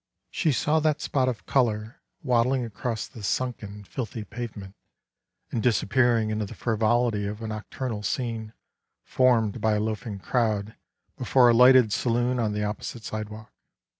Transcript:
She saw that spot of color waddling across the sunken, filthy pavement and disappear ing in the frivolity of a nocturnal scene formed by a loafing crowd before a lighted saloon on the opposite sidewalk.